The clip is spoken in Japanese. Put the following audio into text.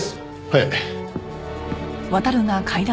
はい。